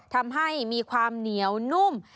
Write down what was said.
ทำให้มีความเหนียวนุ่ม